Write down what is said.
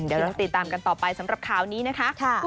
เดี๋ยวต้องติดตามกันต่อไปสำหรับข่าวนี้นะคะ